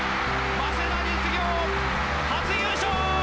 早稲田実業初優勝！